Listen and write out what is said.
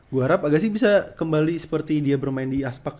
gue harap agak sih bisa kembali seperti dia bermain di aspak